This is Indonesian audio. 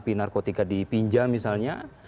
kalau narkotika dipinjam misalnya